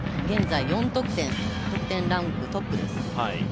現在４得点、得点ランクトップです。